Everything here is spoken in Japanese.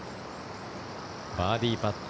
バーディーパット。